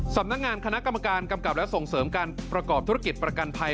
สำนักงานคณะกรรมการกำกับและส่งเสริมการประกอบธุรกิจประกันภัย